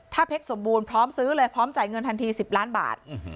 ถ้าเพชรสมบูรณ์พร้อมซื้อเลยพร้อมจ่ายเงินทันที๑๐ล้านบาท